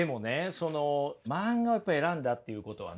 その漫画をやっぱ選んだっていうことはね